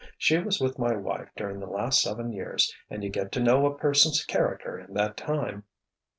She was with my wife during the last seven years and you get to know a person's character in that time."